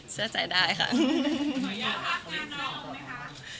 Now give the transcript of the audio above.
เชื่อใจได้สมมุติ